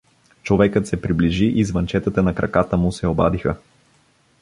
Човекът се приближи и звънчетата на краката му се обадиха.